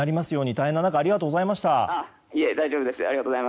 大変な中ありがとうございます。